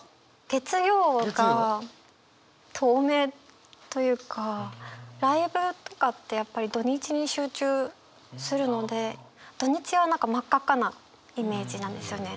月曜がライブとかってやっぱり土日に集中するので土日は何か真っ赤っかなイメージなんですよね。